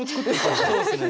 そうですね。